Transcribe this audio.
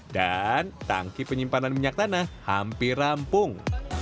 dan tangki penyimpanan minyak tanah hampir rampung